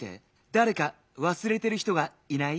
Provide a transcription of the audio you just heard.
だれかわすれてる人がいない？